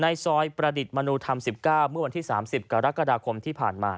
ซอยประดิษฐ์มนุธรรม๑๙เมื่อวันที่๓๐กรกฎาคมที่ผ่านมา